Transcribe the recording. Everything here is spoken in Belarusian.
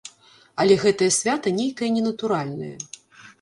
Але гэтае свята нейкае ненатуральнае.